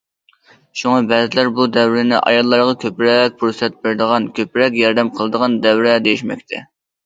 شۇڭا بەزىلەر بۇ دەۋرنى ئاياللارغا كۆپرەك پۇرسەت بېرىدىغان، كۆپرەك ياردەم قىلىدىغان دەۋر دېيىشمەكتە.